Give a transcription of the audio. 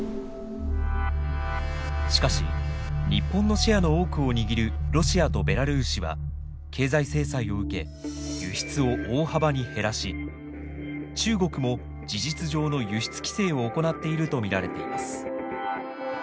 しかし日本のシェアの多くを握るロシアとベラルーシは経済制裁を受け輸出を大幅に減らし中国も事実上の輸出規制を行っていると見られています。